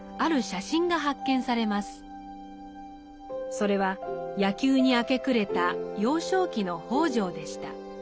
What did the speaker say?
それは野球に明け暮れた幼少期の北條でした。